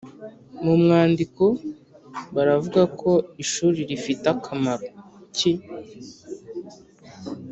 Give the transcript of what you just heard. Mu mwandiko baravuga ko ishuri rifite kamaro ki?